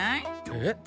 えっ？